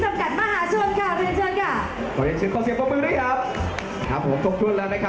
คุณกุยดาคุณสุงษันคุณอุนมสุทธิ์และคุณพัชชิตาด้วยค่ะ